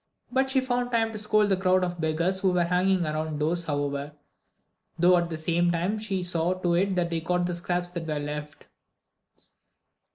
But she found time to scold the crowd of beggars who were hanging around the doors however, though at the same time she saw to it that they got the scraps that were left.